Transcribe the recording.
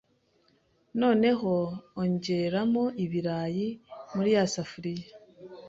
Noneho ongeramo ibirayi, muri ya safuriya,